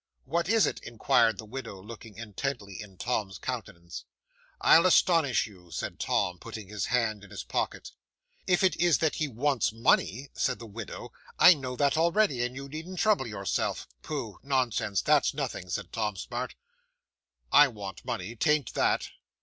'"What is it?" inquired the widow, looking intently in Tom's countenance. '"I'll astonish you," said Tom, putting his hand in his pocket. '"If it is, that he wants money," said the widow, "I know that already, and you needn't trouble yourself." '"Pooh, nonsense, that's nothing," said Tom Smart, "I want money. 'Tain't that."